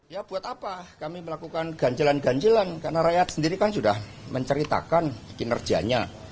ya buat apa kami melakukan ganjelan ganjilan karena rakyat sendiri kan sudah menceritakan kinerjanya